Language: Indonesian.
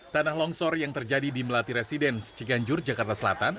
tanah longsor yang terjadi di melati residence ciganjur jakarta selatan